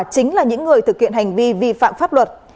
chính là những người thực hiện hành vi vi phạm pháp luật